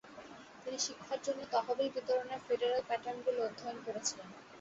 তিনি শিক্ষার জন্য তহবিল বিতরণের ফেডারেল প্যাটার্নগুলি অধ্যয়ন করেছিলেন।